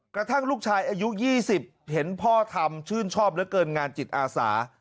กระทั่งลูกชายอายุ๒๐เห็นพ่อทำชื่นชอบเหลือเกินงานจิตอาสา